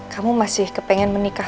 kamu masih kepengen menikah